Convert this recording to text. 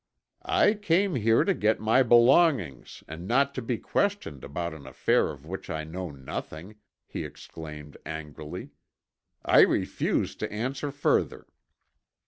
"I came here to get my belongings and not to be questioned about an affair of which I know nothing!" he exclaimed angrily. "I refuse to answer further."